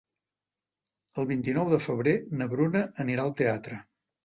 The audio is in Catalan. El vint-i-nou de febrer na Bruna anirà al teatre.